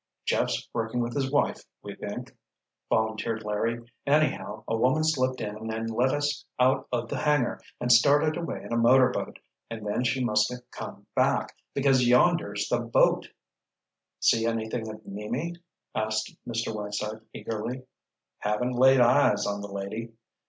"Jeff's working with his wife, we think," volunteered Larry. "Anyhow a woman slipped in and led us out of the hangar and started away in a motor boat, and then she must have come back, because yonder's the boat——" "See anything of Mimi?" asked Mr. Whiteside eagerly. "Haven't laid eyes on the lady."